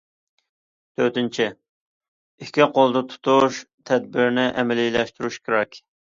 تۆتىنچى، ئىككى قولدا تۇتۇش تەدبىرىنى ئەمەلىيلەشتۈرۈش كېرەك.